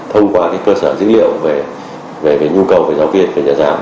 thông qua cơ sở dữ liệu về nhu cầu giáo viên giáo giáo